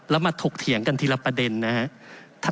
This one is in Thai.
เรามาถกเถียงกันทีละประเด็นนะฮะ